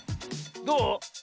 どう？